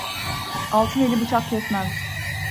Altın eli bıçak kesmez.